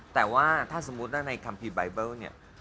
แต่ว่าถ้าสมมติในคัมพีคไบเบิ้ลเนี่ย